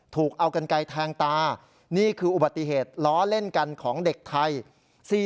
ถูกเอากันไกลแทงตานี่คืออุบัติเหตุล้อเล่นกันของเด็กไทย